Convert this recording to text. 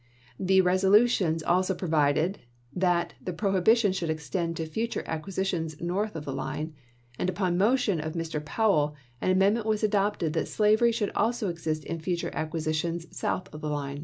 The resolutions also provided that the prohibition should extend to future acquisi tions north of the line; and upon motion of Mr. Powell, an amendment was adopted that slavery should also exist in future acquisitions south of it.